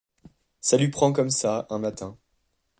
Ça lui prend comme ça, un matin.